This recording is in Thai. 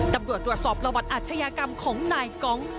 ตำรวจตรวจสอบประวัติอาชญากรรมของนายกอง